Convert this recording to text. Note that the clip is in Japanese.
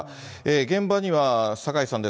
現場には酒井さんです。